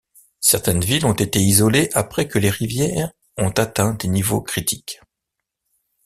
Certaines villes ont été isolées après que les rivières ont atteint des niveaux critiques.